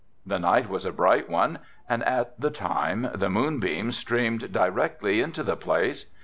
The night was a bright one and at the time the moonbeams streamed directly into the place.